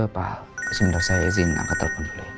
pak sebentar saya izin angkat telepon dulu